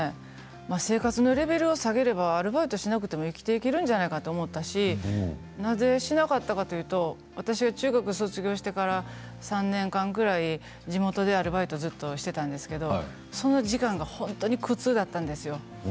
生活のレベルを下げればアルバイトをしなくても生きていけるんじゃないかと思ったしなぜしなかったかというと私は中学を卒業してから３年間ぐらい地元でアルバイトをずっとしていたんですけれどもその時間が本当に苦痛だったんですよ。